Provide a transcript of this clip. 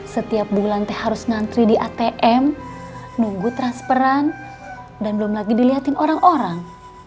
setiap bulan teh harus ngantri di atm nunggu transferan dan belum lagi dilihatin orang orang